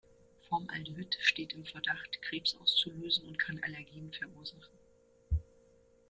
Formaldehyd steht im Verdacht, Krebs auszulösen und kann Allergien verursachen.